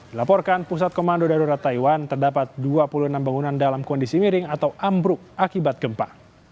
dilaporkan pusat komando darurat taiwan terdapat dua puluh enam bangunan dalam kondisi miring atau ambruk akibat gempa